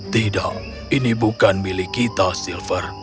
tidak ini bukan milik kita silver